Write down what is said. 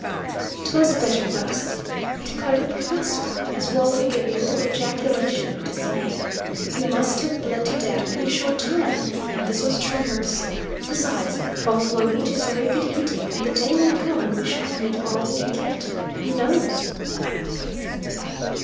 "Twas better thus," declared the professor, as Waldo gave a little ejaculation of dismay. "He must have bled to death in a short time, and this was true mercy. Besides, buffalo meat is very good eating, and the day may come when we shall need all we can get. Who knows?"